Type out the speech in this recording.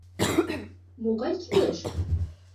Могай кӱлеш?